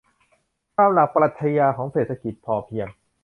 ตามหลักปรัชญาของเศรษฐกิจพอเพียง